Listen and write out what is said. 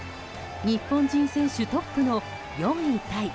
日本人選手トップの４位タイ。